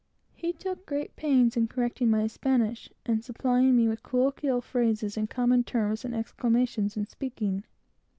He took great pains in correcting my Spanish, and supplying me with colloquial phrases, and common terms and exclamations in speaking.